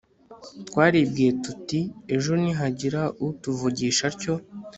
twaribwiye tuti 'ejo nihagira utuvugisha atyo